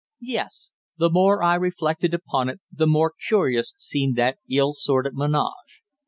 Yes, the more I reflected upon it the more curious seemed that ill assorted ménage.